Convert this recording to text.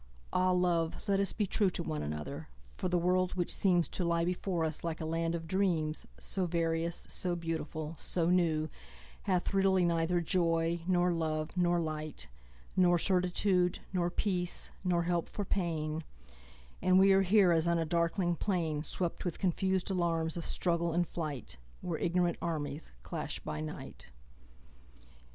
Ah, love, let us be trueTo one another! for the world, which seemsTo lie before us like a land of dreams, So various, so beautiful, so new, Hath really neither joy, nor love, nor light, Nor certitude, nor peace, nor help for pain; And we are here as on a darkling plainSwept with confus'd alarms of struggle and flight, Where ignorant armies clash by night.